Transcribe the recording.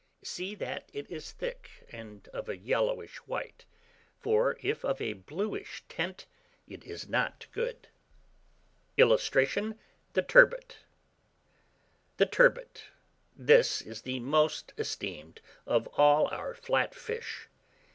See that it is thick, and of a yellowish white; for if of a bluish tint, it is not good. [Illustration: THE TURBOT.] THE TURBOT. This is the most esteemed of all our flat fish.